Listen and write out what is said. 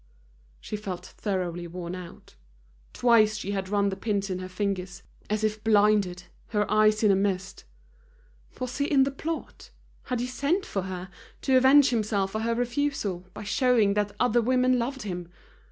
She felt thoroughly worn out. Twice she had run the pins in her fingers, as if blinded, her eyes in a mist. Was he in the plot? Had he sent for her, to avenge himself for her refusal, by showing that other women loved him?